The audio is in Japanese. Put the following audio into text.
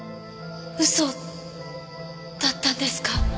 嘘だったんですか？